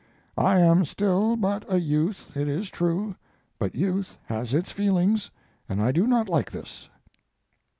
I am still but a youth, it is true, but youth has its feelings, and I do not like this....